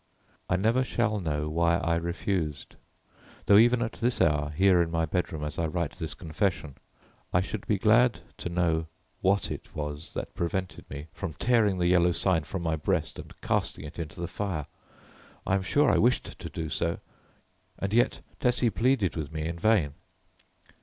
I never shall know why I refused, though even at this hour, here in my bedroom as I write this confession, I should be glad to know what it was that prevented me from tearing the Yellow Sign from my breast and casting it into the fire. I am sure I wished to do so, and yet Tessie pleaded with me in vain.